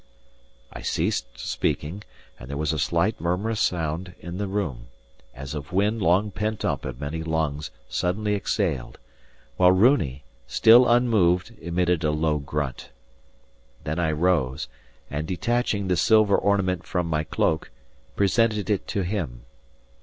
I ceased speaking, and there was a slight murmurous sound in the room, as of wind long pent up in many lungs suddenly exhaled; while Runi, still unmoved, emitted a low grunt. Then I rose, and detaching the silver ornament from my cloak, presented it to him.